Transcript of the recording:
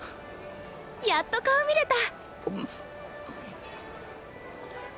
やっと顔見れた！